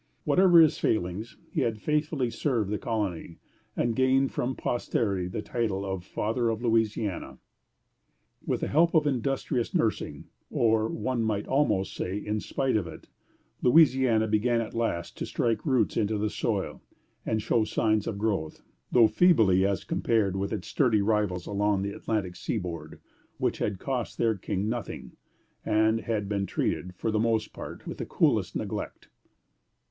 Whatever his failings, he had faithfully served the colony, and gained from posterity the title of Father of Louisiana. With the help of industrious nursing, or, one might almost say, in spite of it, Louisiana began at last to strike roots into the soil and show signs of growth, though feebly as compared with its sturdy rivals along the Atlantic seaboard, which had cost their King nothing, and had been treated, for the most part, with the coolest neglect.